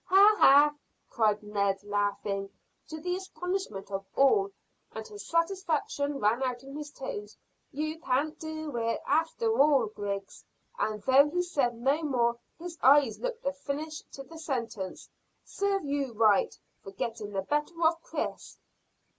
"Ha, ha!" cried Ned, laughing, to the astonishment of all, and his satisfaction rang out in his tones. "You can't do it, after all, Griggs," and though he said no more his eyes looked a finish to the sentence serve you right for getting the better of Chris!